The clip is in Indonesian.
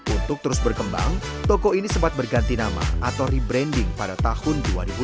untuk terus berkembang toko ini sempat berganti nama atau rebranding pada tahun dua ribu enam belas